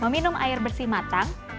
minum air bersih matang